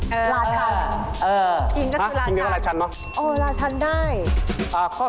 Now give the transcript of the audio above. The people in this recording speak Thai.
ฮะคิงก็คือราชันเหรอโอ้โฮราชันได้คำว่า